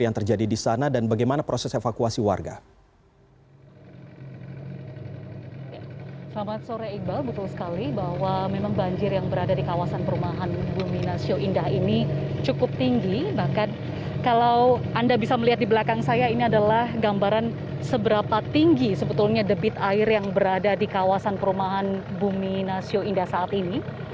anda bisa melihat di belakang saya ini adalah gambaran seberapa tinggi sebetulnya debit air yang berada di kawasan perumahan bumi nasio indah saat ini